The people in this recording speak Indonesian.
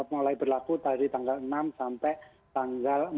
mulai berlaku dari tanggal enam sampai tanggal empat